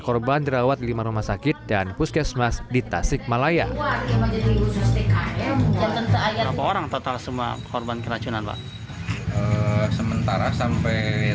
hai para korban mulai merasakan gejala keracunan sejak minggu malam para korban mulai merasakan gejala keracunan sejak minggu malam para